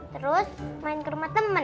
terus main ke rumah teman